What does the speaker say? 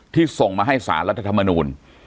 ส่งมาให้สารรัฐธรรมนูล